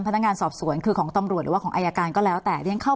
พนักงานสอบสวนคือของตำรวจหรือว่าของอายการก็แล้วแต่เรียนเข้า